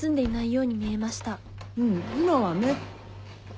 うん今はね。